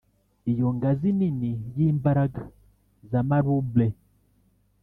iyo ngazi nini yimbaraga za marble,